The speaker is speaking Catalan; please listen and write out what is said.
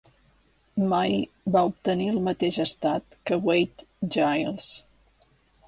Mai va obtenir el mateix estat que Wade-Giles.